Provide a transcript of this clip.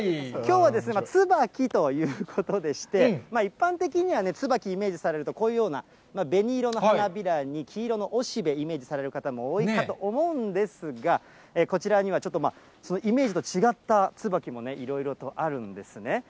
きょうはですね、ツバキということでして、一般的にはツバキ、イメージされるとこういうような、紅色の花びらに黄色の雄しべ、イメージされる方も多いかと思うんですが、こちらには、ちょっとイメージと違ったツバキもいろいろとあるんですね。